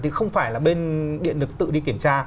thì không phải là bên điện được tự đi kiểm tra